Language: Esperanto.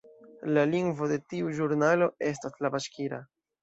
La lingvo de tiu ĵurnalo estas la baŝkira.